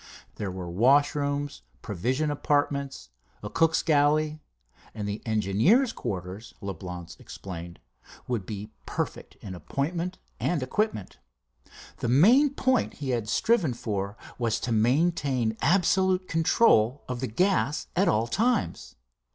There were washrooms, provision apartments, a cook's galley; and the engineer's quarters, Leblance explained, would be perfect in appointment and equipment. The main point he had striven for was to maintain absolute control of the gas at all times.